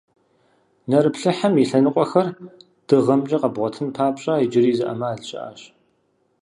Нэрыплъыхьым и лъэныкъуэхэр дыгъэмкӀэ къэбгъуэтын папщӀэ, иджыри зы Ӏэмал щыӀэщ.